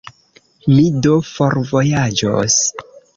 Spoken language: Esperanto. Mi do forvojaĝos.